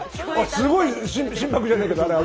すごい心拍じゃないけどあれ。